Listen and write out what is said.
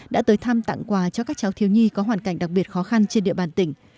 đã tới thăm tặng quà cho các cháu thiếu nhi có hoàn cảnh đặc biệt khó khăn trên địa bàn tỉnh